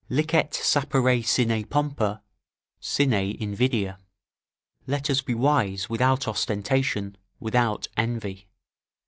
"Licet sapere sine pompa, sine invidia." ["Let us be wise without ostentation, without envy."